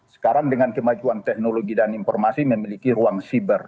sekarang dengan kemajuan teknologi dan informasi memiliki ruang siber